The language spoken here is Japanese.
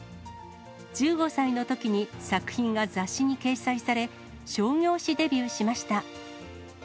１５歳のときに、作品が雑誌に掲載され、商業誌デビューしました。